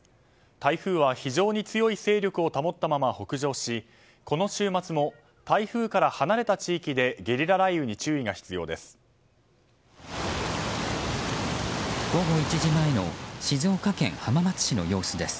台風は非常に強い勢力を保ったまま北上しこの週末も台風から離れた地域でゲリラ雷雨に注意が必要です。